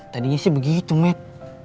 tadinya sih begitu med